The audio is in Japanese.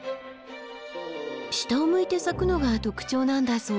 下を向いて咲くのが特徴なんだそう。